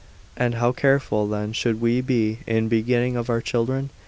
And how careful then should we be in begetting of our children?